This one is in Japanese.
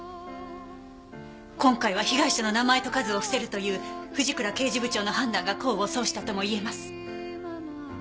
今回は被害者の名前と数を伏せるという藤倉刑事部長の判断が功を奏したとも言えます。